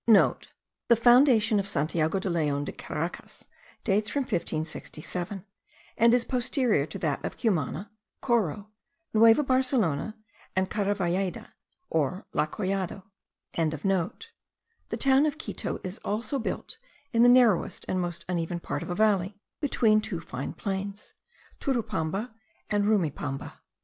(* The foundation of Santiago de Leon de Caracas dates from 1567, and is posterior to that of Cumana, Coro, Nueva Barcelona, and Caravalleda, or El Collado.) The town of Quito is also built in the narrowest and most uneven part of a valley, between two fine plains, Turupamba and Rumipamba.